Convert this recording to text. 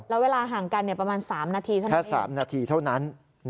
แล้วเวลาห่างกันประมาณ๓นาทีเท่านั้น